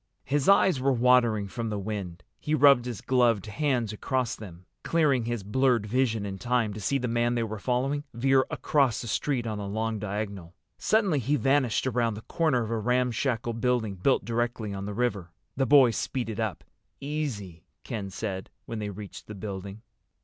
His eyes were watering from the wind. He rubbed his gloved hands across them, clearing his blurred vision in time to see the man they were following veer across the street on a long diagonal. Suddenly he vanished around the corner of a ramshackle building built directly on the river. The boys speeded up. "Easy," Ken said, when they reached the building.